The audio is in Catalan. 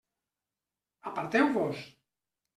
Aparteu-vos!